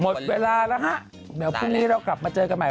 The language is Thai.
หมดเวลาแล้วฮะเดี๋ยวพรุ่งนี้เรากลับมาเจอกันใหม่